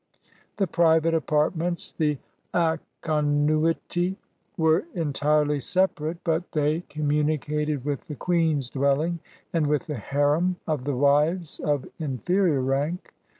The private apartments, the "fikhonuiti," were entirely separate, but they communi 13 EGYPT cated with the queen's dwelling and with the harem of the wives of inferior rank.